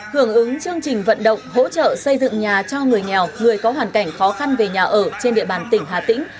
hưởng ứng chương trình vận động hỗ trợ xây dựng nhà cho người nghèo người có hoàn cảnh khó khăn về nhà ở trên địa bàn tỉnh hà tĩnh